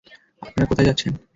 আপনারা কোথায় যাচ্ছেন?